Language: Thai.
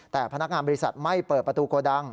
แต่พนักงานบริษัทไม่เปิดประตูโกดัง